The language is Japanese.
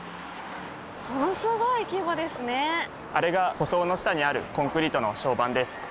あれが舗装の下にあるコンクリートの床版です。